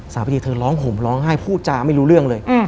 พอดีเธอร้องห่มร้องไห้พูดจาไม่รู้เรื่องเลย